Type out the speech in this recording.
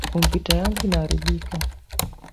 Kompyuta yangu inaaribika